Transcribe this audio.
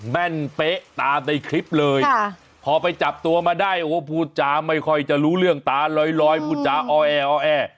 แม่นเป๊ะตามในคลิปเลยพอไปจับตัวมาได้โอ้พูดจาไม่ค่อยจะรู้เรื่องตาลอยพูดจาอ้อแอ